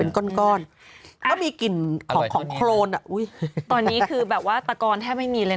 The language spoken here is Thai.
เป็นก้อนก้อนก็มีกลิ่นของของโครนอ่ะอุ้ยตอนนี้คือแบบว่าตะกอนแทบไม่มีเลยนะ